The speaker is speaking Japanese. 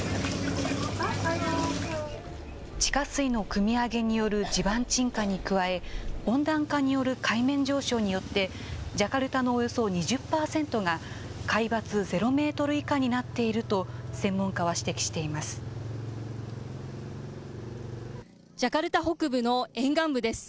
地下水のくみ上げによる地盤沈下に加え、温暖化による海面上昇によって、ジャカルタのおよそ２０％が海抜ゼロメートル以下になっているとジャカルタ北部の沿岸部です。